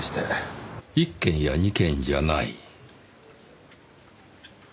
１件や２件じゃない。